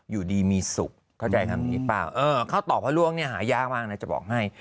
อยู่ดีมีสุขเข้าใจทำอย่างนี้เปล่าเขาตอบว่าร่วงเนี่ยหายากมากนะจะบอกให้